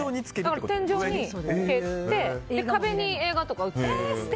天井につけて壁に映画とか映せる。